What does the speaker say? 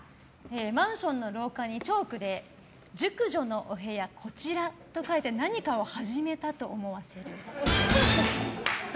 マンションの廊下にチョークで熟女のお部屋こちらと書いて何かを始めたと思わせる。